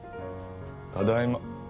ただいま。